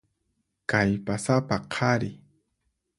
Kallpasapa qhari.